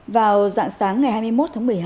vào dạng sáng ngày hai mươi một tháng một mươi hai